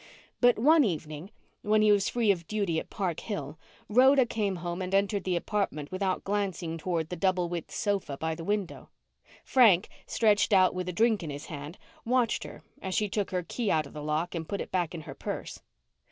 But one evening when he was free of duty at Park Hill, Rhoda came home and entered the apartment without glancing toward the double width sofa by the window. Frank, stretched out with a drink in his hand, watched her as she took her key out of the lock and put it back in her purse.